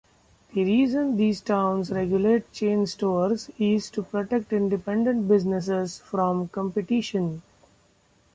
The reason these towns regulate chain stores is to protect independent businesses from competition.